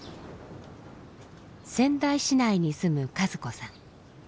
仙台市内に住む和子さん。